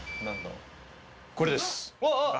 これです。